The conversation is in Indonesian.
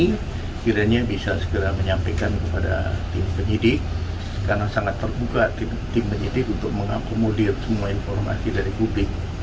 akhirnya bisa segera menyampaikan kepada tim penyidik karena sangat terbuka tim penyidik untuk mengakomodir semua informasi dari publik